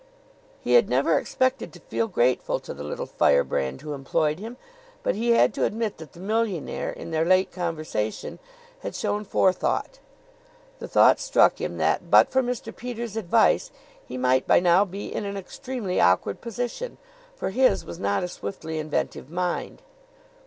He had never expected to feel grateful to the little firebrand who employed him, but he had to admit that the millionaire, in their late conversation, had shown forethought. The thought struck him that but for Mr. Peters' advice he might by now be in an extremely awkward position; for his was not a swiftly inventive mind.